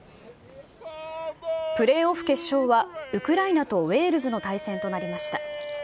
プレーオフ決勝は、ウクライナとウェールズの対戦となりました。